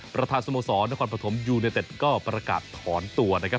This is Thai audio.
ประธานสโมสรนครปฐมยูเนเต็ดก็ประกาศถอนตัวนะครับ